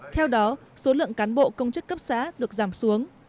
theo đó số lượng cán bộ công chức cấp xã được giảm xuống